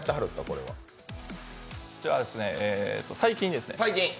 こちらは最近ですね。